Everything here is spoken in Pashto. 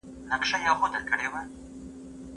ما د خپل استاد څخه د مطالعې لارښوونه واخیسته.